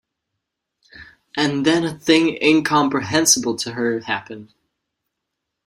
And then a thing incomprehensible to her happened.